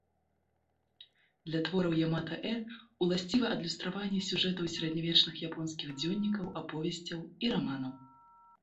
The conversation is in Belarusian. Для твораў ямато-э уласцівы адлюстраванне сюжэтаў сярэднявечных японскіх дзённікаў, аповесцяў і раманаў.